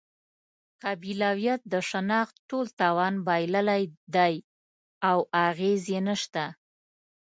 قبیلویت د شناخت ټول توان بایللی دی او اغېز یې نشته.